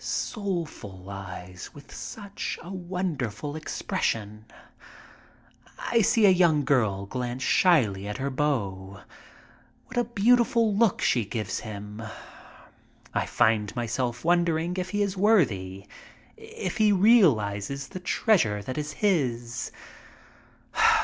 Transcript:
Soulful eyes with such a wonderful expression. I see a young girl glance slyly at her beau. What a beautiful look she gives him! I find myself wondering if he is worthy, if he realizes the treasure that is his.